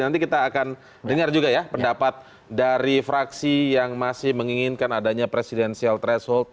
nanti kita akan dengar juga ya pendapat dari fraksi yang masih menginginkan adanya presidensial threshold